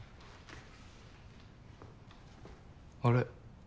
あれ？